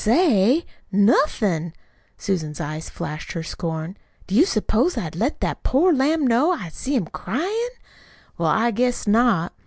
"Say? Nothin'!" Susan's eyes flashed her scorn. "Do you s'pose I'd let that poor lamb know I see him cryin'? Well, I guess not!